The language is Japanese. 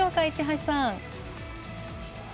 一橋さん。